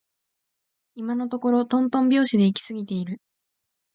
今のところとんとん拍子で行き過ぎている